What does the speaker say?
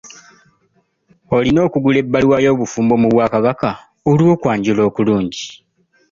Olina okugula ebbaluwa y'obufumbo mu bwakabaka olw'okwanjula okulungi.